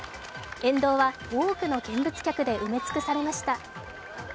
沿道は多くの見物客で埋め尽くされました。